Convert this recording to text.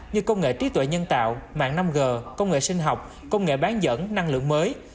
như công nghệ trí tuệ nhân tạo mạng năm g công nghệ sinh học công nghệ bán dẫn năng lượng mới